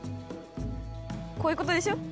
こういうことでしょ？